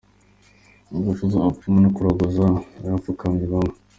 Ingufu z’abapfumu no kuraguza byapfubanye bamwe.